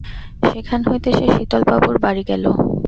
সেখান হইতে সে শীতলবাবুর বাড়ি গেল।